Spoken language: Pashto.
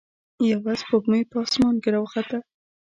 یوه سپوږمۍ په اسمان کې راوخته.